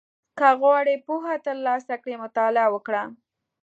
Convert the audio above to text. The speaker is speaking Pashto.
• که غواړې پوهه ترلاسه کړې، مطالعه وکړه.